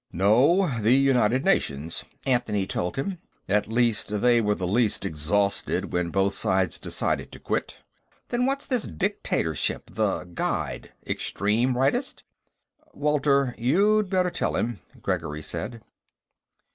"No, the United Nations," Anthony told him. "At least, they were the least exhausted when both sides decided to quit." "Then what's this dictatorship.... The Guide? Extreme Rightist?" "Walter, you'd better tell him," Gregory said.